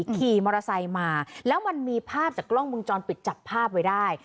ขี่มอเตอร์ไซค์มาแล้วมันมีภาพจากกล้องมุมจรปิดจับภาพไว้ได้